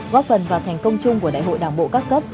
góp phần vào thành công chung của đại hội đảng bộ các cấp